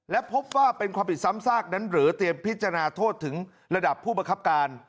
และพบว่าเป็นความผิดซ้ำซากนั้นหรือเตรียมพิจารณาโทษถึงระดับผู้บังคับการ